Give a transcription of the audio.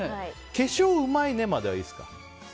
化粧うまいねまではいいですか？